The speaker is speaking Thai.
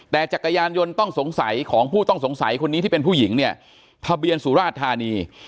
แต่จักรยานยนต์ต้องสงสัยของผู้ต้องสงสัยคนนี้ที่เป็นผู้หญิงเนี่ยทะเบียนสุราชธานี